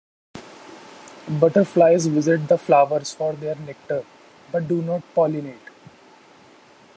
Butterflies visit the flowers for their nectar, but do not pollinate.